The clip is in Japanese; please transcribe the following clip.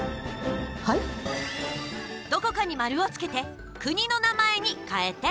どこかに丸をつけて国の名前に変えて。